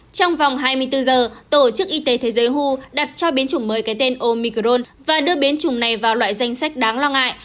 trong vòng hai mươi bốn giờ tổ chức y tế thế giới ho đặt cho biến chủng mới cái tên omicron và đưa biến chủng này vào loại danh sách đáng lo ngại